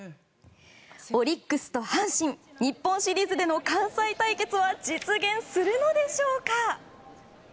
オリックスと阪神日本シリーズでの関西対決は実現するのでしょうか？